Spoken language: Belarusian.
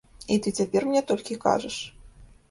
І ты цяпер мне толькі кажаш?